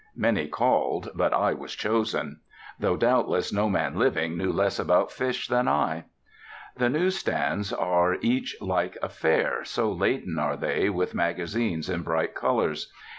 Many called, but I was chosen. Though, doubtless, no man living knew less about fish than I. The news stands are each like a fair, so laden are they with magazines in bright colors.